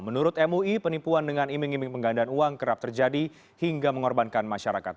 menurut mui penipuan dengan iming iming penggandaan uang kerap terjadi hingga mengorbankan masyarakat